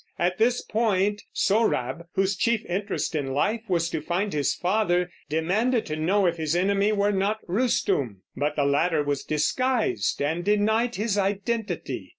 At this point Sohrab, whose chief interest in life was to find his father, demanded to know if his enemy were not Rustum; but the latter was disguised and denied his identity.